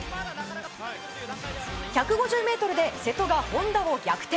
１５０ｍで瀬戸が本多を逆転。